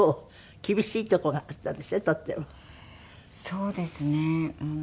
そうですね。